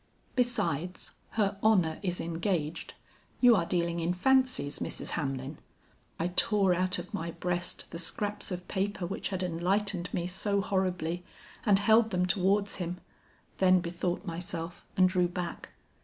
'Besides her honor is engaged. You are dealing in fancies, Mrs. Hamlin.' "I tore out of my breast the scraps of paper which had enlightened me so horribly, and held them towards him; then bethought myself, and drew back.